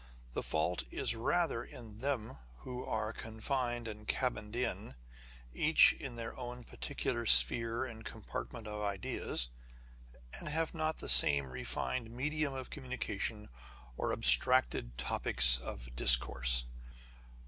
The fault is rather in them who are " confined and cabin'd in " each in their own particular sphere and com partment of ideas, and have not the same refined medium of communication or abstracted topics of discourse.